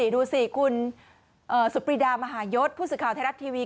ดูสิคุณสุดปรีดามหายศผู้สื่อข่าวไทยรัฐทีวี